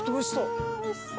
ああおいしそう！